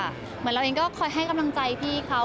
เหมือนเราเองก็คอยให้กำลังใจพี่เขา